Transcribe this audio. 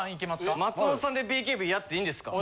松本さんでＢＫＢやっていいんですか？